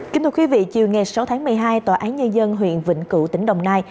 kính thưa quý vị chiều ngày sáu tháng một mươi hai tòa án nhân dân huyện vĩnh cửu tỉnh đồng nai